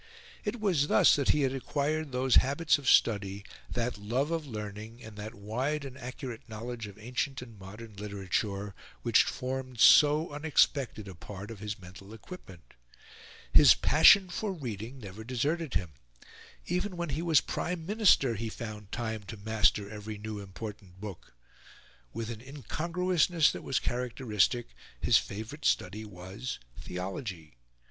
It was thus that he had acquired those habits of study, that love of learning, and that wide and accurate knowledge of ancient and modern literature, which formed so unexpected a part of his mental equipment. His passion for reading never deserted him; even when he was Prime Minister he found time to master every new important book. With an incongruousness that was characteristic, his favourite study was theology.